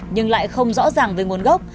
nhưng lại không rõ ràng về nguồn gốc